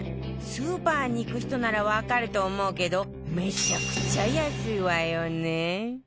スーパーに行く人ならわかると思うけどめちゃくちゃ安いわよね